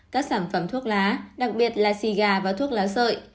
các sản phẩm thuốc lá đặc biệt là cigar và thuốc lá sợi